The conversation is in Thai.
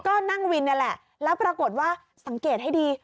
ก็นั่งวินนี่แหละแล้วปรากฏว่าสังเกตให้ดี